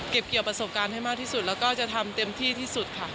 เกี่ยวประสบการณ์ให้มากที่สุดแล้วก็จะทำเต็มที่ที่สุดค่ะ